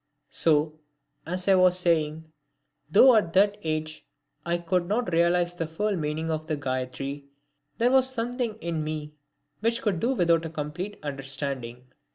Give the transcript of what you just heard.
So, as I was saying, though at that age I could not realise the full meaning of the Gayatri, there was something in me which could do without a complete understanding.